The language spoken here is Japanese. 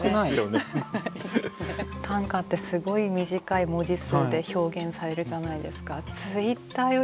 短歌ってすごい短い文字数で表現されるじゃないですか。